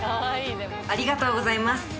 ありがとうございます。